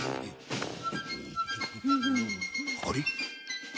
あれ？